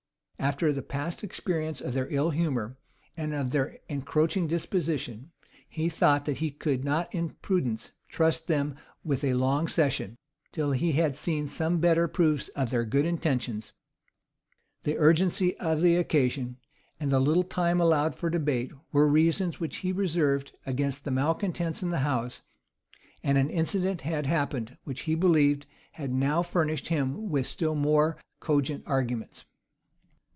After the past experience of their ill humor, and of their encroaching disposition, he thought that he could not in prudence trust them with a long session, till he had seen some better proofs of their good intentions: the urgency of the occasion, and the little time allowed for debate, were reasons which he reserved against the malecontents in the house; and an incident had happened, which, he believed, had now furnished him with still more cogent arguments.